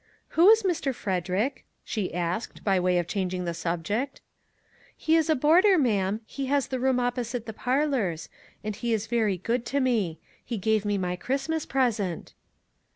" Who is Mr. Frederick ?" she asked, by way of changing the subject. " He is a boarder, ma'am ; he has the room opposite the parlors; and he is very good to me. He gave me my Christmas present."